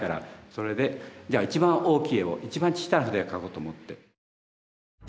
それでじゃあ一番大きい絵を一番小さな筆で描こうと思って。